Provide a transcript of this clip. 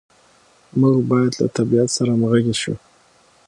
موږ باید له طبیعت سره همغږي شو.